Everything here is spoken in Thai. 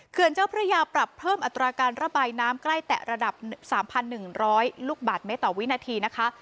เจ้าพระยาปรับเพิ่มอัตราการระบายน้ำใกล้แตะระดับ๓๑๐๐ลูกบาทเมตรต่อวินาทีนะคะ